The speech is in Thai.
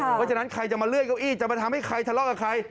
เพราะฉะนั้นใครจะมาเลื่อยเก้าอี้จะมาทำให้ใครทะเลาะกับใคร